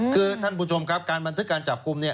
คือท่านผู้ชมครับการบันทึกการจับกลุ่มเนี่ย